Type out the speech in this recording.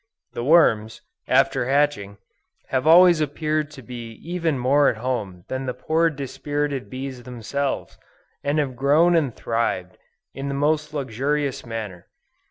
The worms, after hatching, have always appeared to be even more at home than the poor dispirited bees themselves, and have grown and thrived, in the most luxurious manner.